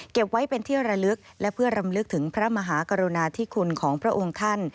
ไว้เป็นที่ระลึกและเพื่อรำลึกถึงพระมหากรุณาธิคุณของพระองค์ท่าน